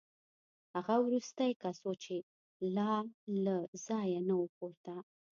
هغه وروستی کس و چې لا له ځایه نه و پورته